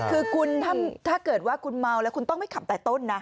คือคุณถ้าเกิดว่าคุณเมาแล้วคุณต้องไม่ขับแต่ต้นนะ